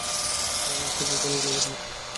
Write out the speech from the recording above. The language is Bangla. হ্যাঁ, অনেকটা বৈজ্ঞানিক ল্যাবের মত।